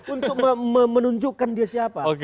untuk menunjukkan dia siapa